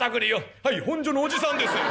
「はい本所のおじさんです！」。